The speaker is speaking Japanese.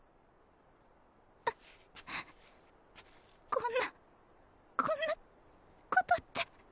こんなこんなことって。